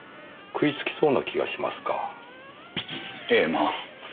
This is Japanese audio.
ええまあ。